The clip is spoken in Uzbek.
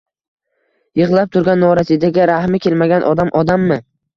Yig‘lab turgan norasidaga rahmi kelmagan odam — odammi?